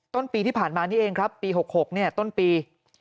ต้นปีที่ผ่านมานี่เองครับปี๖๖ต้นปี